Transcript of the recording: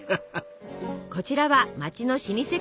こちらは町の老舗工場。